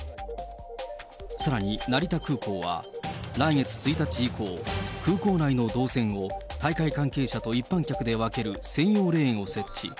さらに成田空港は、来月１日以降、空港内の動線を、大会関係者と一般客で分ける専用レーンを設置。